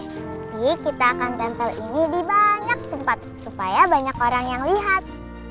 jadi kita akan tempel ini di banyak tempat supaya banyak orang yang lihat